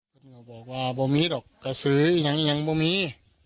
พ่อบอกว่าไม่มีหรอกกะสงกะสือยังไม่มี